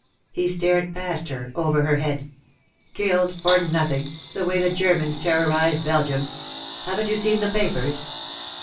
He stared past her, over her head. "Killed for nothing, the way the Germans terrorized Belgium. Haven't you seen the papers?"